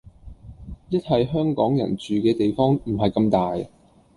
一係香港人住嘅地方唔係咁大